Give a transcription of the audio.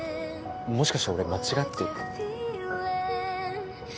もしかして俺間違ってる？